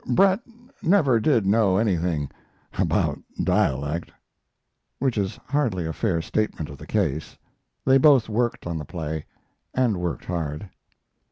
Bret never did know anything about dialect." Which is hardly a fair statement of the case. They both worked on the play, and worked hard.